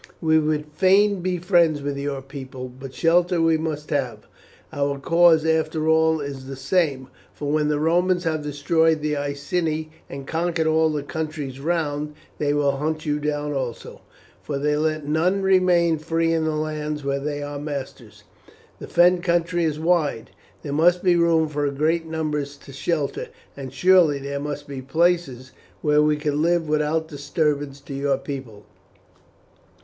We would fain be friends with your people, but shelter we must have. Our cause after all is the same, for when the Romans have destroyed the Iceni, and conquered all the countries round, they will hunt you down also, for they let none remain free in the lands where they are masters. The Fen country is wide, there must be room for great numbers to shelter, and surely there must be places where we could live without disturbance to your people."